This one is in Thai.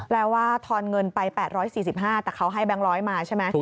ว่าทอนเงินไป๘๔๕แต่เขาให้แก๊งร้อยมาใช่ไหม